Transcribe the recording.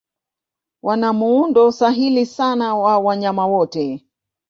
Wana muundo sahili sana wa wanyama wote.